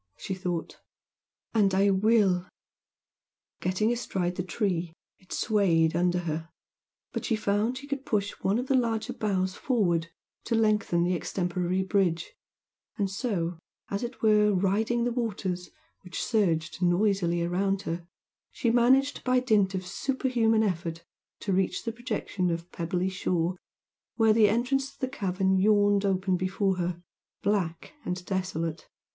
she thought "and I will!" Getting astride the tree, it swayed under her, but she found she could push one of the larger boughs forward to lengthen the extemporary bridge, and so, as it were, riding the waters, which surged noisily around her, she managed by dint of super human effort to reach the projection of pebbly shore where the entrance to the cavern yawned open before her, black and desolate.